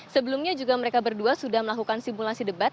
sebelumnya juga mereka berdua sudah melakukan simulasi debat